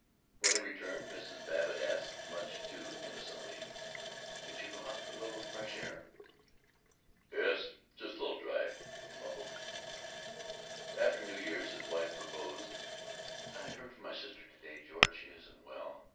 When he returned Mrs. Babbitt asked, much too innocently, "Did you go out for a little fresh air?" "Yes, just lil drive," he mumbled. After New Year's his wife proposed, "I heard from my sister to day, George. She isn't well.